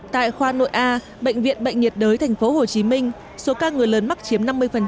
tại khoa nội a bệnh viện bệnh nhiệt đới tp hcm số ca người lớn mắc chiếm năm mươi